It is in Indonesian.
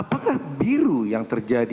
apakah biru yang terjadi di mulut kita